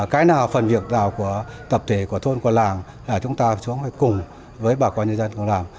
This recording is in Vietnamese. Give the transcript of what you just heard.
cái nào phần việc tạo của tập thể của thôn của lãng là chúng ta phải cùng với bà con nhân dân làm